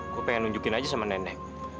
gue pengen nunjukin aja sama nenek